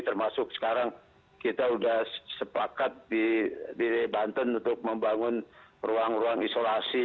termasuk sekarang kita sudah sepakat di banten untuk membangun ruang ruang isolasi